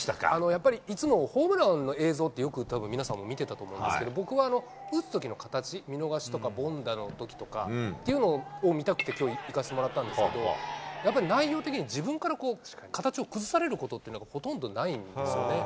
やっぱりいつもホームランの映像って、よくたぶん、皆さんも見てたと思うんですけど、僕は打つときの形、見逃しとか凡打のときとかっていうのを見たくて、きょう、行かせてもらったんですけど、やっぱり内容的に自分から形を崩されることっていうのが、ほとんどないんですよね。